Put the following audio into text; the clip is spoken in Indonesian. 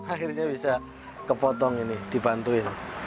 akhirnya bisa kepotong ini dibantuin